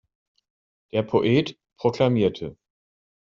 Der Poet proklamierte.